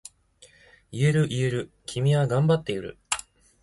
言える言える、君は頑張っている。